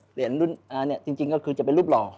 เหรียญรุ่นนี้จริงก็คือจะเป็นรูปหล่อ